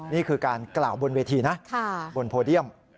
นี่คือการกล่าวบนเวทีนะบนโพเดียม